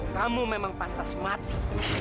kamu memang pantas mati